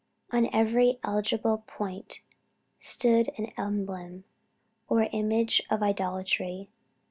On every eligible point stood an emblem or image of idolatry.